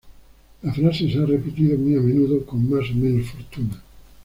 La frase se ha repetido muy a menudo, con más o menos fortuna.